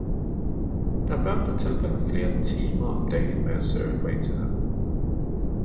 Der er børn, der tilbringer flere timer om dagen med at surfe på internettet.